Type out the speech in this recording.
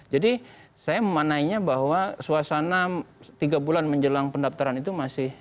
jadi saya memanenya bahwa suasana tiga bulan menjelang pendaftaran itu masih